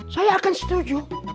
saya akan setuju